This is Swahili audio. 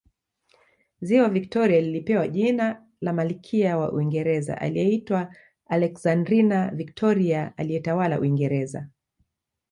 Ziwa Victoria lilipewa jina la Malkia wa Uingereza aliyeitwa Alexandrina Victoria aliyetawala Uingereza